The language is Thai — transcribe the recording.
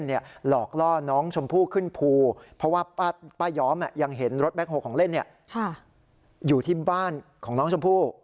หลอกล่อน้องชมพู่ขึ้นภูเพราะว่าป้าย้อมยังเห็นรถแคคโฮของเล่นอยู่ที่บ้านของน้องชมพู่